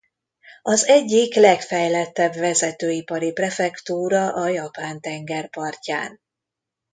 Az egyik legfejlettebb vezető ipari prefektúra a Japán-tenger partján.